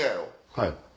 はい。